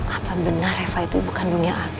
apa benar reva itu bukan dunia abi